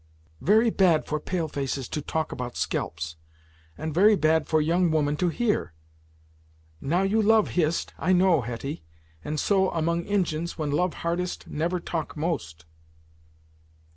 "Very bad for pale faces to talk about scalps, and very bad for young woman to hear! Now you love Hist, I know, Hetty, and so, among Injins, when love hardest never talk most."